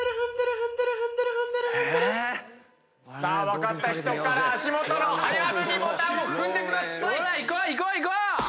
分かった人から足元の早踏みボタンを踏んでください。いこう！